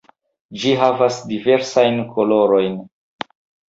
Ĝi havas diversajn kolorojn.